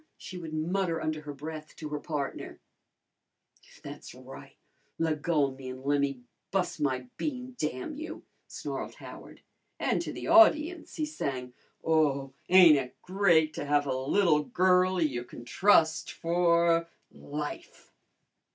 she would mutter under her breath to her partner. "That's right! Leggo o' me an' lemme bus' my bean, damn you!" snarled Howard. And to the audience he sang, "Oh, ain't it great to have a little girlie you can trust for life!"